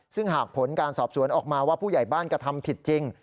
ซึ่งหากผลการสอบสวนออกมาว่าผู้ใหญ่บ้านกระทำผิดจริง